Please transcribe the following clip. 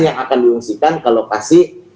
yang akan diungsikan ke lokasi